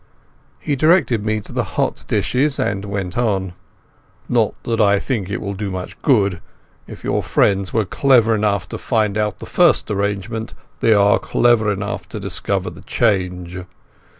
'" He directed me to the hot dishes and went on. "Not that I think it will do much good. If your friends were clever enough to find out the first arrangement they are clever enough to discover the change.